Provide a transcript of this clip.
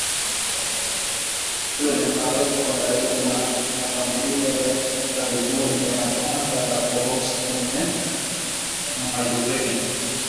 Hilo linawaweka karibu na mashambulizi ya karibuni ya anga ya Urusi kwenye maeneo yaliyolenga magharibi mwa Ukraine